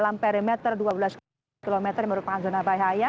dan masyarakat yang tinggal di dalam perimeter dua belas km yang merupakan zona bahaya